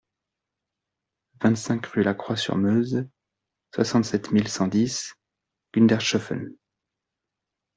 vingt-cinq rue Lacroix sur Meuse, soixante-sept mille cent dix Gundershoffen